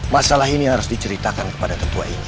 masalah ini harus diceritakan kepada ketua inye